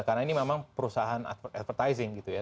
karena ini memang perusahaan advertising gitu ya